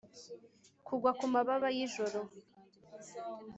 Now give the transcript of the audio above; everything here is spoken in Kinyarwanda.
kugwa kumababa yijoro,